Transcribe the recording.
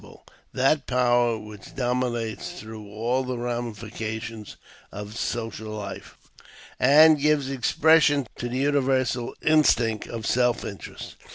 pie — that power which dominates through all the ramifications of social life, and gives expression to the universal instinct! of self interest.